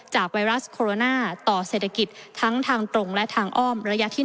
ไวรัสโคโรนาต่อเศรษฐกิจทั้งทางตรงและทางอ้อมระยะที่๑